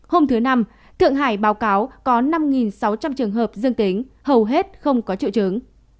hôm thứ năm thượng hải báo cáo có năm sáu trăm linh trường hợp dương tính hầu hết không có triệu chứng